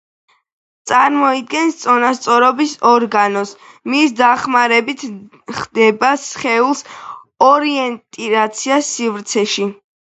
წარმოადგენს წონასწორობის ორგანოს; მისი დახმარებით ხდება სხეულის ორიენტაცია სივრცეში.